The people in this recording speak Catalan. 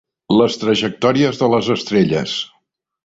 Les trajectòries de les estrelles.